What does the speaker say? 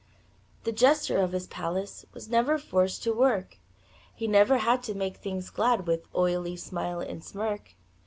The jester of his palace Was never forced to work, He never had to make things glad With oily smile and smirk.